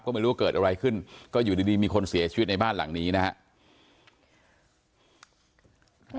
ก็ไม่รู้ว่าเกิดอะไรขึ้นก็อยู่ดีมีคนเสียชีวิตในบ้านหลังนี้นะครับ